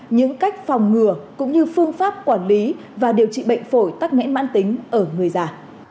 những cách phòng ngừa cũng như phương pháp quản lý và điều trị bệnh phổi tắc nghẽn mãn tính ở người già